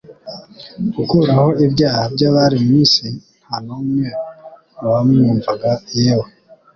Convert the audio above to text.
ukuraho ibyaha by'abari mu si.» Nta n'umwe mu bamwumvaga yewe